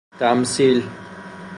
تمثیل